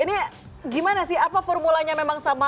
ini gimana sih apa formulanya memang sama